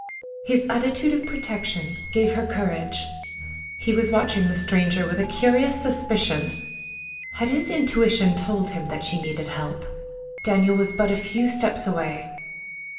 His attitude of protection gave her courage. He was watching the stranger with a curious suspicion. Had his intuition told him that she needed help? Daniel was but a few steps away.